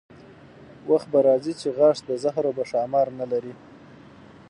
وخت به راځي چې غاښ د زهرو به ښامار نه لري.